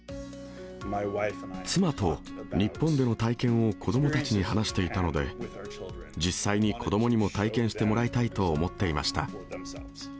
妻と、日本での体験を、子どもたちに話していたので、実際に子どもにも体験してもらいたいと思っていました。